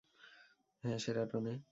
হ্যাঁ, শেরাটনে।